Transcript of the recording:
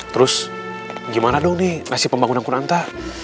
terus gimana dong nih nasib pembangunan kuranta